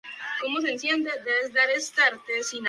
La planta baja es muy amplia.